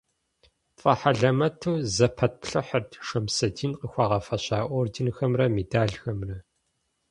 ТфӀэхьэлэмэту зэпэтплъыхьырт Шэмсэдин къыхуагъэфэща орденхэмрэ медалхэмрэ.